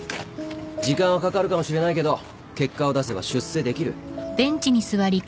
時間はかかるかもしれないけど結果を出せば出世できる。